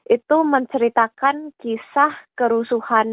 itu menceritakan kisah kerusakan